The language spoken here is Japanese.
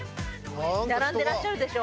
並んでらっしゃるでしょ？